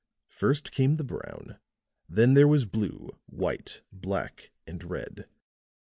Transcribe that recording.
First came the brown, then there was blue, white, black and red.